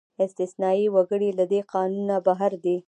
استثنايي وګړي له دې قانونه بهر دي.